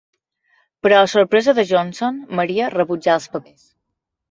Per a sorpresa de Johnson, Maria rebutjà els papers.